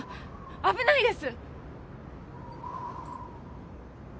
危ないです！